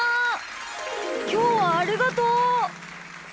きょうはありがとう！